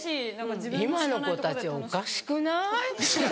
えっ今の子たちおかしくない？